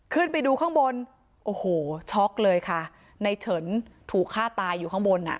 ขึ้นไปดูข้างบนโอ้โหช็อกเลยค่ะในเฉินถูกฆ่าตายอยู่ข้างบนอ่ะ